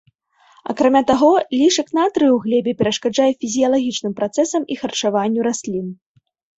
Акрамя таго, лішак натрыю ў глебе перашкаджае фізіялагічным працэсам і харчаванню раслін.